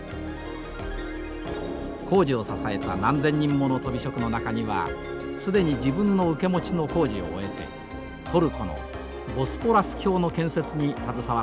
工事を支えた何千人ものとび職人の中には既に自分の受け持ちの工事を終えてトルコのボスポラス橋の建設に携わっている人々もいます。